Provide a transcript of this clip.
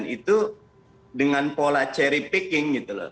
itu dengan pola cherry picking gitu loh